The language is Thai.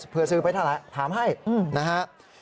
เผื่อซื้อไปถ้าละถามให้นะครับ